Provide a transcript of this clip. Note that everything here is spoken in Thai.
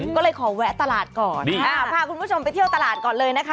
ก็เลยขอแวะตลาดก่อนพาคุณผู้ชมไปเที่ยวตลาดก่อนเลยนะคะ